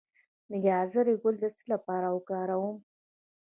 د ګازرې ګل د څه لپاره وکاروم؟